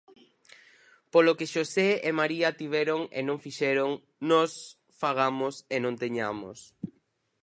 Polo que Xosé e María tiveron e non fixeron, nos fagamos e non teñamos.